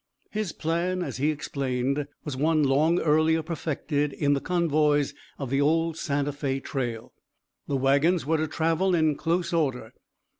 His plan, as he explained, was one long earlier perfected in the convoys of the old Santa Fé Trail. The wagons were to travel in close order.